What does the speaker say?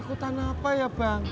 ikut ikutan apa ya bang